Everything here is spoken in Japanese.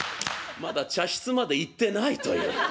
まだ茶室まで行ってないという。